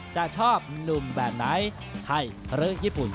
จะชอบหนุ่มแบบไหนไทยหรือญี่ปุ่น